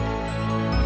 syukurlah hal kayak gitu